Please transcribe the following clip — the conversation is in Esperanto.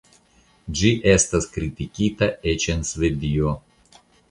Ĝi estas kritikita eĉ en Svedio.